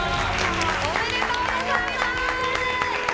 おめでとうございます！